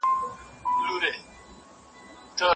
پر لکړه یې دروړمه هدیرې لمن دي نیسه